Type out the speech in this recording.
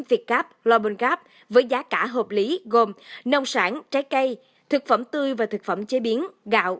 việt cap lomongap với giá cả hợp lý gồm nông sản trái cây thực phẩm tươi và thực phẩm chế biến gạo